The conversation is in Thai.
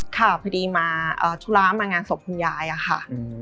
ค่ะพอดีมาธุระมางานศพคุณยายอะค่ะ